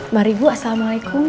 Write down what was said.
mari bu assalamualaikum